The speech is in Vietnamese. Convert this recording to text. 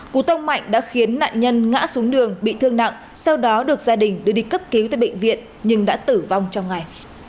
cú tông mạnh đã khiến nạn nhân ngã xuống đường bị thương nặng sau đó được gia đình đưa đi cấp cứu tại bệnh viện nhưng đã tử vong trong ngày